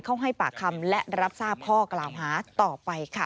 ให้ปากคำและรับทราบข้อกล่าวหาต่อไปค่ะ